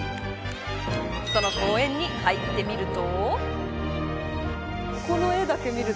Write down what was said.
その公園に入ってみると。